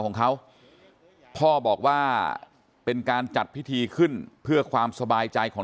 ของเขาพ่อบอกว่าเป็นการจัดพิธีขึ้นเพื่อความสบายใจของ